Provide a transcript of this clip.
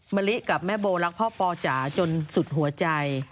มะลิกับแม่โบรักพ่อปอจ๋าจนสุดหัวใจ